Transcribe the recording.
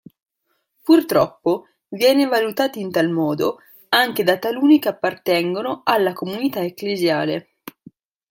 Purtroppo, viene valutata in tal modo anche da taluni che appartengono alla comunità ecclesiale.